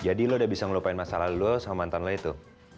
jadi lo udah bisa ngelupain masalah lo sama mantan lo itu